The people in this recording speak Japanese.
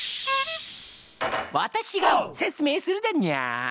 私が説明するだにゃー。